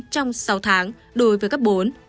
trong sáu tháng đối với cấp bốn